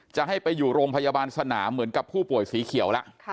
จะให้ไปอยู่โรงพยาบาลสนามเหมือนกับผู้ป่วยสีเขียวแล้ว